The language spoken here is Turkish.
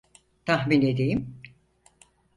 Tahmin edeyim.